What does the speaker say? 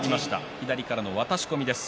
左からの渡し込みです。